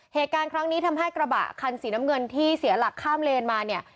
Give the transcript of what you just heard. เหตุการณ์ครั้งนี้ทำให้กระบะคันสีน้ำเงินที่เสียหลักข้ามเลนมาเนี่ย